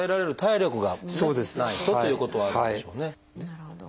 なるほど。